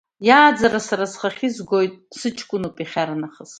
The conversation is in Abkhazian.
Иааӡара сара схахьы изгоит, дсыҷкәынуп иахьарнахыс.